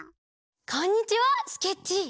こんにちはスケッチー！